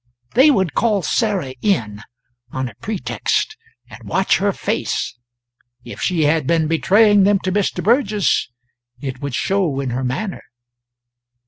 They would call Sarah in, on a pretext, and watch her face; if she had been betraying them to Mr. Burgess, it would show in her manner.